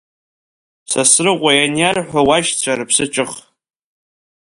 Сасрыҟәа ианиарҳәа уашьцәа рыԥсы ҿых!